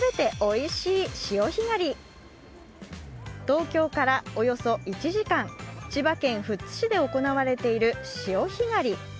東京からおよそ１時間、千葉県富津市で行われている潮干狩り。